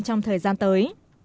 trong thời gian tới